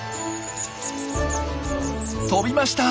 飛びました！